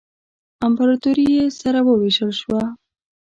امپراطوري یې سره ووېشل شوه.